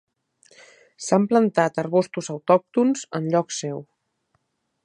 S'han plantat arbustos autòctons en lloc seu.